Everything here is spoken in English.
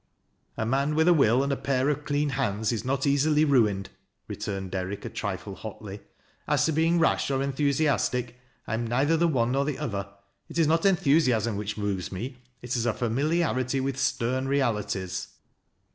"A man with a will and a pair of clean hands is not easily ruined," returned Derrick a trifle hotly. "As to Ixiiiig rash or enthusiastic, I apa neither the one nor the other. It is not enthusiasm which moves me, it is a familiarity with stern realities."